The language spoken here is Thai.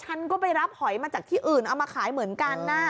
ฉันก็ไปรับหอยมาจากที่อื่นเอามาขายเหมือนกันนะ